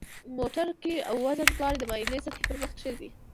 موټرګی او وزنه دواړه د مایلې سطحې پر مخ کیږدئ.